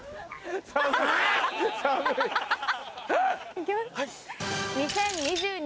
行きます。